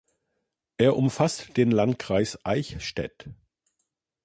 Er umfasst den Landkreis Eichstätt.